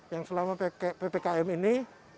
yang selama ppkm ini